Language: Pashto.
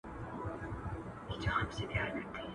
سبزېجات تيار کړه.